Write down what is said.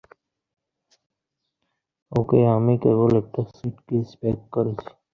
ওকে, আমি কেবল একটা স্যুটকেইস প্যাক করেছি।